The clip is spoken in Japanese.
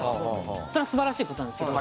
それは素晴らしい事なんですけど。